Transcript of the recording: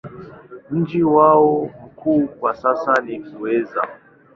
Mji wao mkuu kwa sasa ni Muheza.